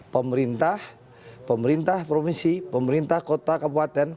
pemerintah pemerintah provinsi pemerintah kota kabupaten